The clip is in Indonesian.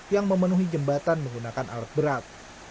yang memenuhi jembatan menggunakan alat berat